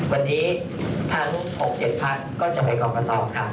วันนี้ทั้ง๖๗พักก็จะไปกรกตค่ะ